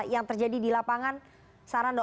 yang terjadi di lapangan sarando